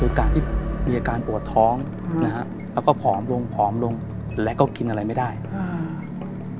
โดยการที่มีอาการปวดท้องอืมนะฮะแล้วก็ผอมลงผอมลงแล้วก็กินอะไรไม่ได้อ่า